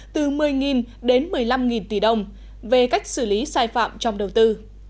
từ một mươi đến một mươi năm tỷ đồng về cách xử lý sai phạm trong đầu tư